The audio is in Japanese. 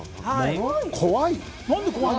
怖い？